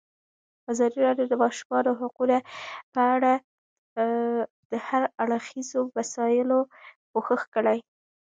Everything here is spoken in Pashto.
ازادي راډیو د د ماشومانو حقونه په اړه د هر اړخیزو مسایلو پوښښ کړی.